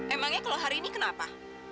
emangnya kalau hari ini kenapa